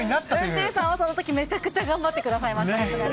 運転手さんはそのときめちゃくちゃ頑張ってくれました。